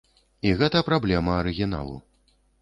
І гэта праблема арыгіналу.